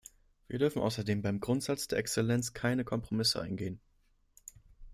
Wir dürfen außerdem beim Grundsatz der Exzellenz keine Kompromisse eingehen.